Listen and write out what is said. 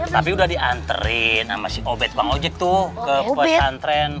tapi udah dianterin sama si obet bang ojek tuh ke pesantren